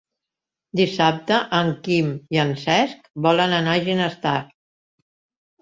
Dissabte en Quim i en Cesc volen anar a Ginestar.